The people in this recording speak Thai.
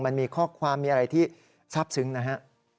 มันมีข้อความมีอะไรที่ทราบซึ้งนะฮะ